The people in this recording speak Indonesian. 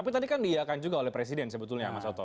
tapi tadi kan diiakan juga oleh presiden sebetulnya mas oto